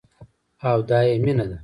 او دايې مينه ده.